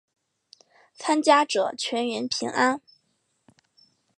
参加者全员平安。